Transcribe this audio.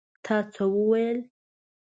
تا څه وویل?